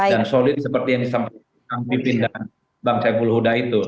dan solid seperti yang disampaikan oleh kang pipin dan bang saiful huda itu